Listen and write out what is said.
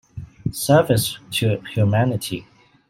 Service to humanity.